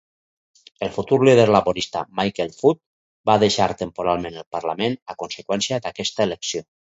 El futur líder laborista Michael Foot va deixar temporalment el parlament a conseqüència d'aquesta elecció.